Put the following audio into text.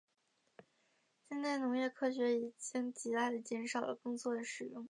现代农业科学已经极大地减少了耕作的使用。